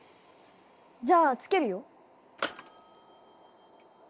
じゃあつけるよ。